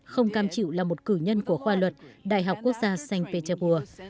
không cam chịu là một cử nhân của khoa luật đại học quốc gia st petersburg